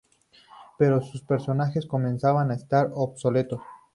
Pero su personaje comenzaba a estar obsoleto.